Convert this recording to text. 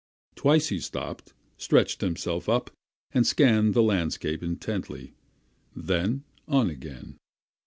Twice he stopped, stretched himself up, and scanned the landscape intently; then on again.